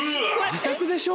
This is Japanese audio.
自宅でしょ？